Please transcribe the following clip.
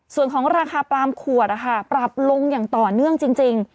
ส่วนของราคาปลามขวดปรับลงอย่างต่อเนื่องจริง